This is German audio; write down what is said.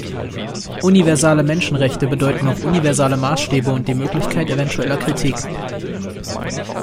Universale Menschenrechte bedeuten auch universale Maßstäbe und die Möglichkeit eventueller Kritik.